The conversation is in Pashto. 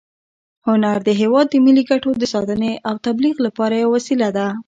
هنر د هېواد د ملي ګټو د ساتنې او تبلیغ لپاره یوه وسیله ده.